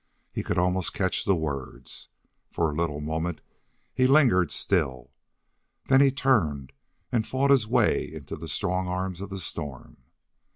He could almost catch the words. For a little moment he lingered still. Then he turned and fought his way into the strong arms of the storm.